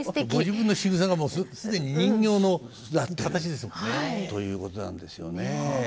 ご自分のしぐさがもう既に人形の形ですもんね。ということなんですよね。